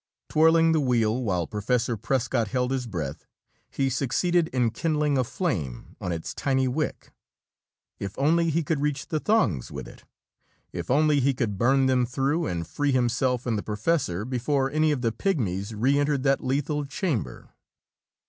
Twirling the wheel, while Professor Prescott held his breath, he succeeded in kindling a flame on its tiny wick. If only he could reach the thongs with it! If only he could burn them through and free himself and the professor before any of the pigmies re entered that lethal chamber!